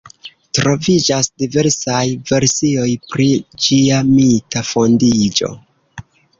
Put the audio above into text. Troviĝas diversaj versioj pri ĝia mita fondiĝo.